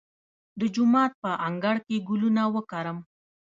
د جومات په انګړ کې ګلونه وکرم؟